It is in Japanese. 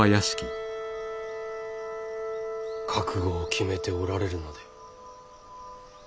覚悟を決めておられるので？